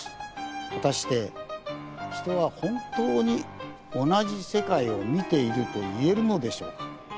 果たして人は本当に同じ世界を見ていると言えるのでしょうか？